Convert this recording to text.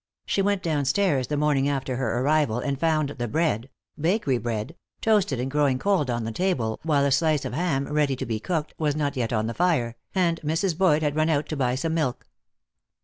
She went downstairs the morning after her arrival, and found the bread bakery bread toasted and growing cold on the table, while a slice of ham, ready to be cooked, was not yet on the fire, and Mrs. Boyd had run out to buy some milk.